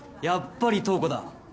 やっぱり燈子だ。